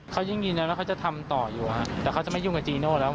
เขายิ่งยืนยันว่าเขาจะทำต่ออยู่แต่เขาจะไม่ยุ่งกับจีโน่แล้ว